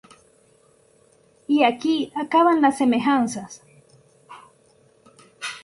Y aquí acaban las semejanzas.